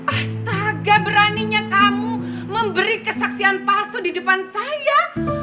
astaga beraninya kamu memberi kesaksian palsu di depan saya